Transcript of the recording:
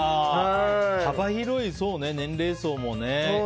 幅広い年齢層もね。